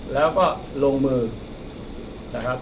แล้วก็ลงมือนะครับ